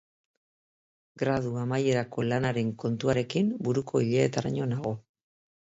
Gradu Amaierako Lanaren kontuarekin buruko ileetaraino nago.